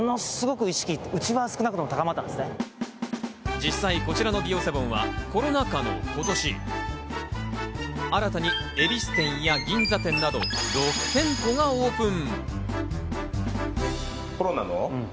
実際こちらのビオセボンはコロナ禍の今年、新たに恵比寿店や銀座店など６店舗がオープン。